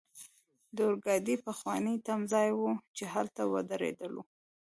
د اورګاډي پخوانی تمځای وو، چې هلته ودریدلو.